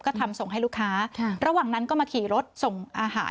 ก็ทำส่งให้ลูกค้าระหว่างนั้นก็มาขี่รถส่งอาหาร